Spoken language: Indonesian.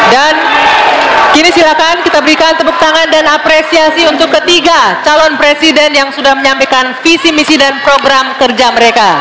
dan kini silakan kita berikan tepuk tangan dan apresiasi untuk ketiga calon presiden yang sudah menyampaikan visi misi dan program kerja mereka